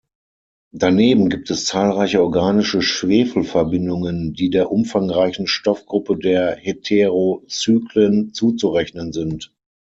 Daneben gibt es zahlreiche organische Schwefelverbindungen die der umfangreichen Stoffgruppe der Heterocyclen zuzurechnen sind.